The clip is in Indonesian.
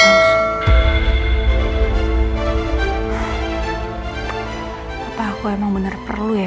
apa aku emang bener perlu ya